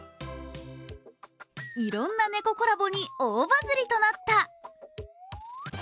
いろんな猫コラボに大バズりとなった。